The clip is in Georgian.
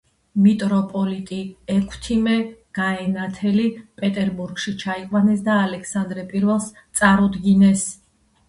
მიტროპოლიტი ექვთიმე გაენათელი პეტერბურგში ჩაიყვანეს და ალექსანდრე I-ს წარუდგინეს.